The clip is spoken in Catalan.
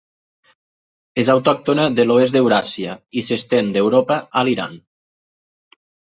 És autòctona de l'oest d'Euràsia i s'estén d'Europa a l'Iran.